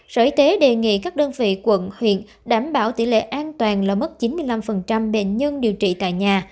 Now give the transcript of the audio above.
sở y tế đề nghị các đơn vị quận huyện đảm bảo tỷ lệ an toàn là mất chín mươi năm bệnh nhân điều trị tại nhà